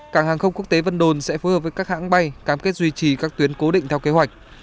cảng hàng không quốc tế vân đồn sẽ phối hợp với các hãng bay cam kết duy trì các tuyến cố định theo kế hoạch